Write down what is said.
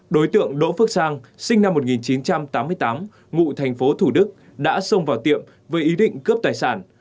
đối tượng đỗ phước sang sinh năm một nghìn chín trăm tám mươi tám ngụ thành phố thủ đức đã xông vào tiệm với ý định cướp tài sản